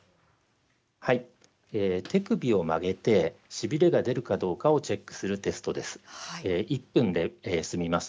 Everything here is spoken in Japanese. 手首を曲げてしびれが出るかどうかをチェックするテストです。